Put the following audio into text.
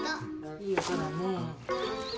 いい音だね。